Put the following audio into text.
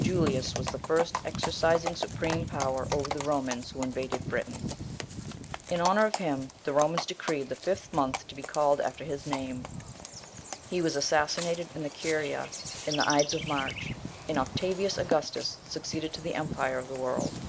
Julius was the first exercising supreme power over the Romans who invaded Britain: in honour of him the Romans decreed the fifth month to be called after his name. He was assassinated in the Curia, in the ides of March, and Octavius Augustus succeeded to the empire of the world.